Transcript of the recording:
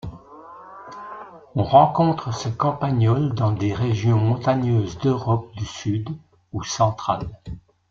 On rencontre ce campagnol dans les régions montagneuses d'Europe du sud ou centrale.